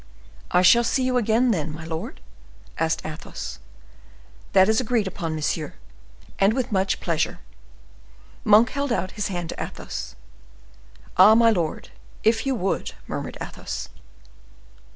"I shall see you again, then, my lord?" asked Athos. "That is agreed upon, monsieur, and with much pleasure." Monk held out his hand to Athos. "Ah! my lord, if you would!" murmured Athos.